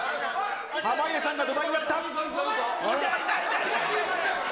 濱家さんが土台になった。